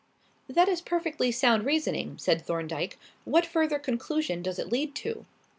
"That is perfectly sound reasoning," said Thorndyke. "What further conclusion does it lead to?"